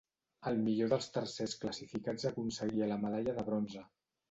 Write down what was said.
El millor dels tercers classificats aconseguia la medalla de bronze.